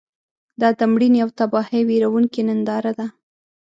دا د مړینې او تباهۍ ویرونکې ننداره ده.